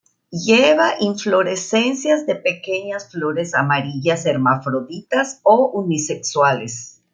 Lleva inflorescencias de pequeñas flores amarillas hermafroditas o unisexuales.